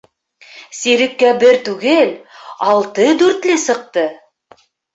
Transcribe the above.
Сиреккә бер түгел, алты «дүртле» сыҡты.